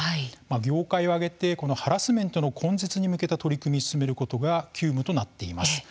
業界を挙げてハラスメント根絶に向けた取り組みを進めることが急務となっています。